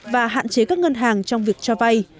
và hạn chế các ngân hàng trong việc cho vay